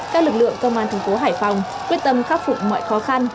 các lực lượng công an thành phố hải phòng quyết tâm khắc phục mọi khó khăn